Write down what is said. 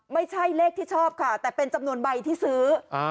ไม่ใช่เลขที่ชอบค่ะแต่เป็นจำนวนใบที่ซื้อ